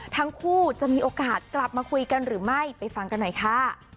ทั้งคู่จะมีโอกาสกลับมาคุยกันหรือไม่ไปฟังกันหน่อยค่ะ